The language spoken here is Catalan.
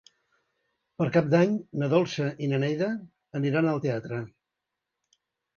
Per Cap d'Any na Dolça i na Neida aniran al teatre.